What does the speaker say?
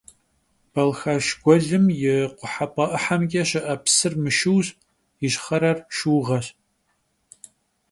Balxaşş guelım yi khuhep'e 'ıhemç'e şı'e psır mışşıuş, yişxherer — şşıuğeş.